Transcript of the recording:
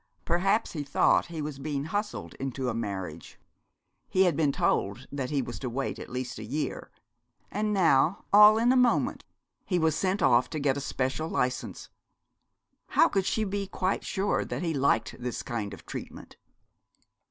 Perhaps he thought he was being hustled into a marriage. He had been told that he was to wait at least a year. And now, all in a moment, he was sent off to get a special licence. How could she be quite sure that he liked this kind of treatment?